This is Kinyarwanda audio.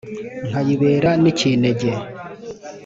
nkayibera n'ikinege